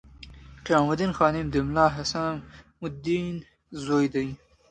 قیام الدین خادم د ملا حسام الدین زوی دی.